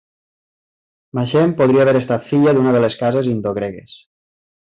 Machene podria haver estat filla d'una de les cases indogregues.